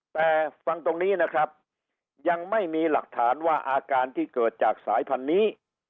แต่ฟังตรงนี้นะครับยังไม่มีหลักฐานว่าอาการที่เกิดจากสายพันธุ์นี้